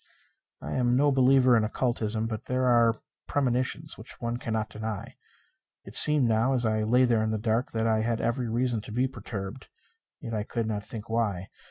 I am no believer in occultism, but there are premonitions which one cannot deny. It seemed now as I lay there in the dark that I had every reason to be perturbed, yet I could not think why.